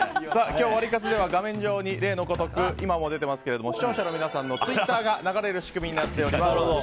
今日、ワリカツでは画面上に例のごとく今も出ていますが視聴者の皆さんのツイッターが流れる仕組みになっております。